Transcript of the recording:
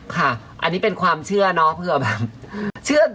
ค่ะอันนี้เป็นความเชื่อเนาะเผื่อแบบเชื่อ